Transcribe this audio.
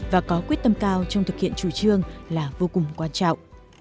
và có quyết tâm cao trong thực hiện chủ trương là vô cùng quan trọng